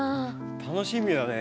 楽しみだね。